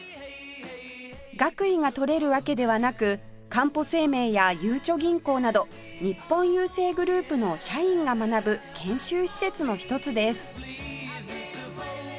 学位が取れるわけではなくかんぽ生命やゆうちょ銀行など日本郵政グループの社員が学ぶ研修施設の一つです